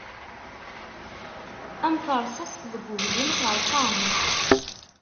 Am terṣast deg uglim terṣa.